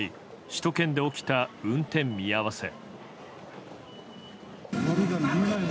首都圏で起きた運転見合わせ。